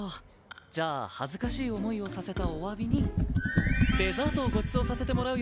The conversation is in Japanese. じゃあ恥ずかしい思いをさせたおわびにデザートをごちそうさせてもらうよ。